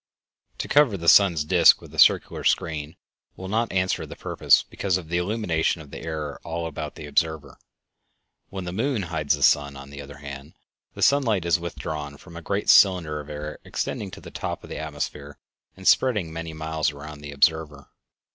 To cover the sun's disk with a circular screen will not answer the purpose because of the illumination of the air all about the observer. When the moon hides the sun, on the other hand, the sunlight is withdrawn from a great cylinder of air extending to the top of the atmosphere and spreading many miles around the observer.